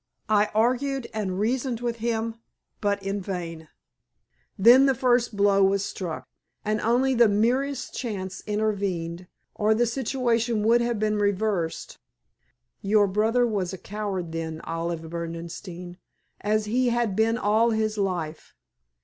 I argued and reasoned with him, but in vain. Then the first blow was struck, and only the merest chance intervened, or the situation would have been reversed. Your brother was a coward then, Olive Berdenstein, as he had been all his life.